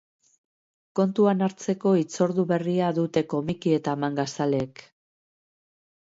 Kontuan hartzeko hitzordu berria dute komiki eta manga zaleek.